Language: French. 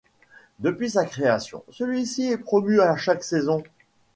Depuis sa création, celui-ci est promu à chaque saison.